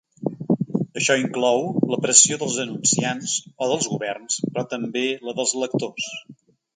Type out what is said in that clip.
Això inclou la pressió dels anunciants o dels governs, però també la dels lectors.